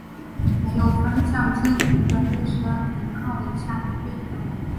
没有方向资讯的列车停靠以下月台。